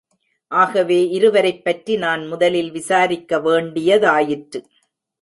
ஆகவே இவரைப்பற்றி நான் முதலில் விசாரிக்க வேண்டிய தாயிற்று.